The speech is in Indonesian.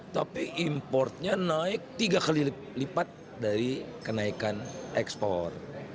tapi importnya naik tiga kali lipat dari kenaikan ekspor